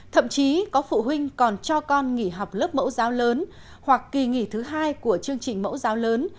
thậm chí có phụ huynh còn cho con nghỉ học lớp mẫu giáo lớn hoặc kỳ nghỉ thứ hai của chương trình mẫu giáo lớn